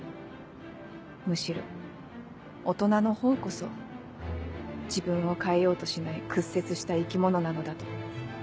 むしろ大人のほうこそ自分を変えようとしない屈折した生き物なのだと。